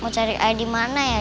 mau cari di mana ya